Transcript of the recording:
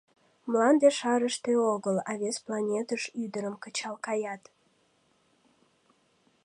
— Мланде шарыште огыл, а вес планетыш ӱдырым кычал каят...